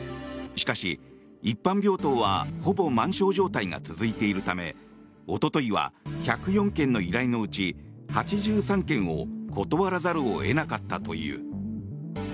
しかし一般病棟はほぼ満床状態が続いているためおとといは１０４件の依頼のうち８３件を断らざるを得なかったという。